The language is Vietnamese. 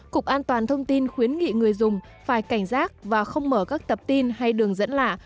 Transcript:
cục an toàn thông tin khuyến nghị người dùng phải cảnh giác và không mở các tập tin hay đường dẫn lạ